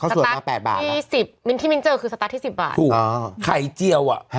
สตาร์ทที่สิบคือสตาร์ทที่สิบบาทถูกอ่าไข่เจียวอ่ะฮะ